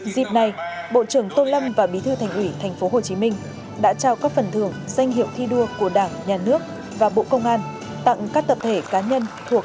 dịp này bộ trưởng tô lâm và bí thư thành ủy tp hcm đã trao các phần thưởng danh hiệu thi đua của đảng nhà nước và bộ công an tặng các tập thể cá nhân thuộc